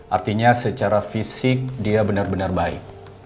artinya secara fisik dia benar benar baik